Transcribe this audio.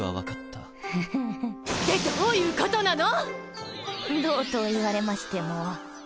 でどういうことなの⁉どうと言われましても。